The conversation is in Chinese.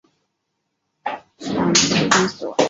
大寮区公所